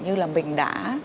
như là mình đã